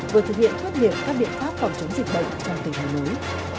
vừa thực hiện quyết liệt các biện pháp phòng chống dịch bệnh trong tình hình mới